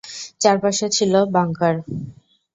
চারপাশে ছিল বাংকার।